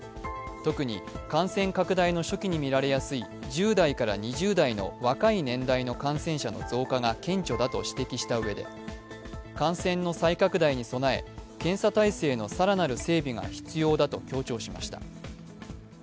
特に感染拡大の初期に見られやすい１０代から２０代の若い年代の感染者の増加が顕著だと指摘したうえで感染の再拡大に備え、検査体制の更なる整備が必要だと強調しました。